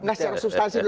nah secara substansi dulu